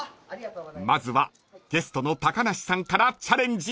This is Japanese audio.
［まずはゲストの高梨さんからチャレンジ］